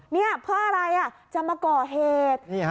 นี่เพื่ออะไรจะมาก่อเหตุ